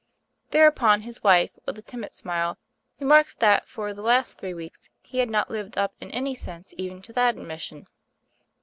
Thereupon his wife, with a timid smile, remarked that for the last three weeks he had not lived up in any sense even to that ad mission."